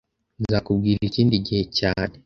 Nzakubwira ikindi gihe cyane